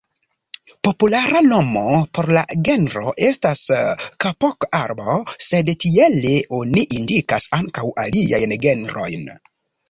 Populara nomo por la genro estas "kapok-arbo", sed tiele oni indikas ankaŭ aliajn genrojn.